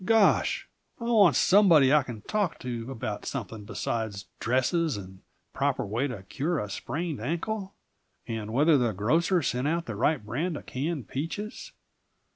Gosh! I want somebody I can talk to about something besides dresses and the proper way to cure sprained ankles, and whether the grocer sent out the right brand of canned peaches.